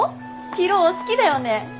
博夫好きだよね。